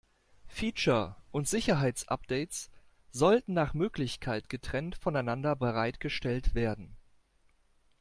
Feature- und Sicherheitsupdates sollten nach Möglichkeit getrennt voneinander bereitgestellt werden.